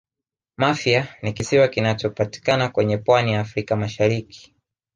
mafia ni kisiwa kinachopatikana kwenye pwani ya africa mashariki